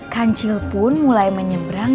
kancil pun mulai menyeberang